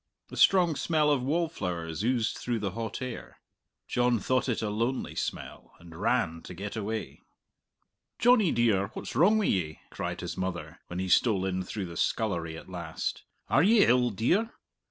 A strong smell of wallflowers oozed through the hot air. John thought it a lonely smell, and ran to get away. "Johnny dear, what's wrong wi' ye?" cried his mother, when he stole in through the scullery at last. "Are ye ill, dear?"